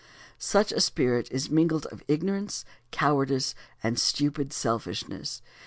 Such a spirit is mingled of ignorance, cowardice, and stupid selfishness.